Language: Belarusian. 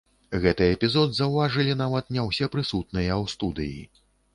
Гэты эпізод заўважылі нават не ўсе прысутныя ў студыі.